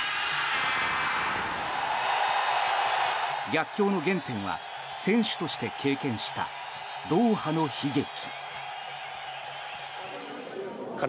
逆境の原点は、選手として経験したドーハの悲劇。